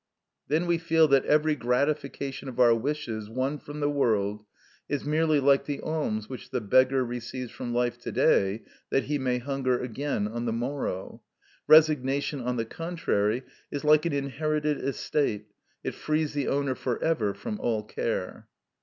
Then we feel that every gratification of our wishes won from the world is merely like the alms which the beggar receives from life to day that he may hunger again on the morrow; resignation, on the contrary, is like an inherited estate, it frees the owner for ever from all care.